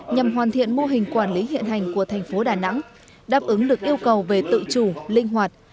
nhằm hoàn thiện mô hình quản lý hiện hành của thành phố đà nẵng đáp ứng được yêu cầu về tự chủ linh hoạt